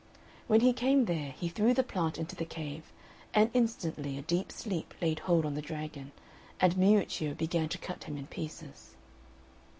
When he came there, he threw the plant into the cave, and instantly a deep sleep laid hold on the dragon, and Miuccio began to cut him in pieces.